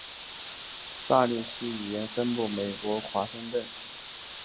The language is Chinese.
萨利希语言分布在美国华盛顿州以及加拿大不列颠哥伦比亚环萨利希海一带。